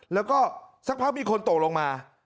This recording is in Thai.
แล้วก็สักพักมีคนตกลงมา